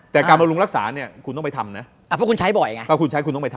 แต่การบรรลุงรักษาต้องไปทำเนี่ย